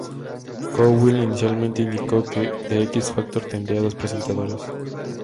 Cowell inicialmente indicó que "The X Factor" tendría dos presentadores.